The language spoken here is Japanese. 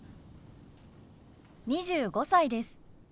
２５歳です。